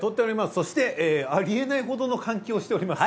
そしてありえないほどの換気をしております。